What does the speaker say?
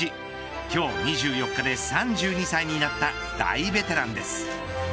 今日２４日で、３２歳になった大ベテランです。